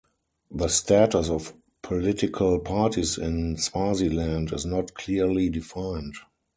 The status of political parties in Swaziland is not clearly defined.